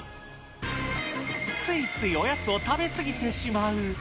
ついついおやつを食べ過ぎてしまう。